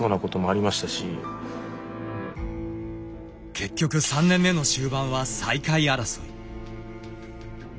結局３年目の終盤は最下位争い。